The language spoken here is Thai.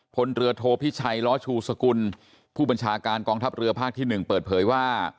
พลเรือโทพิชัยล้อชูสกุลผู้บัญชาการกองทัพเรือภาคที่๑เปิดเผยว่า